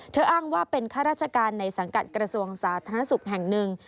อ้างว่าเป็นข้าราชการในสังกัดกระทรวงสาธารณสุขแห่งหนึ่ง